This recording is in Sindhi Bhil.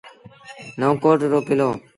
نئون ڪوٽ رو ڪلو۔